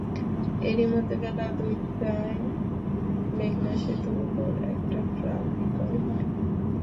এরই মধ্যে বেলা দুইটায় মেঘনা সেতুর ওপর একটি ট্রাক বিকল হয়।